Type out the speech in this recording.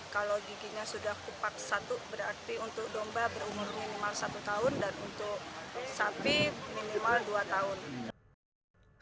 kalau giginya sudah kupak satu berarti untuk domba berumur minimal satu tahun dan untuk sapi minimal dua tahun